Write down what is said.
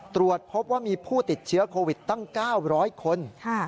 ตรวจพบว่ามีผู้ติดเชื้อโควิดตั้ง๙๐๐คน